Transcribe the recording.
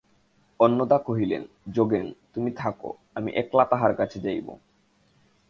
অন্নদা কহিলেন, যোগেন, তুমি থাকো, আমি একলা তাহার কাছে যাইব।